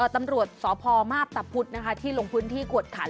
ตำรวจสพมาพตะพุธที่ลงพื้นที่กวดขัน